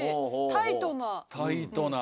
タイトな。